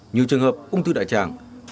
nhiều trường hợp ung tư đại tràng